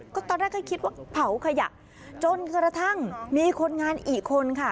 ก็ตอนแรกก็คิดว่าเผาขยะจนกระทั่งมีคนงานอีกคนค่ะ